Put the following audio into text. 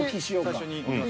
最初にいきますか。